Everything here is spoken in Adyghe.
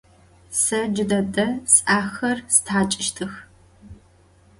Se cıdede s'exer sthaç'ıştıx.